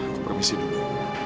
aku permisi dulu